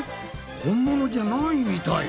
本物じゃないみたい。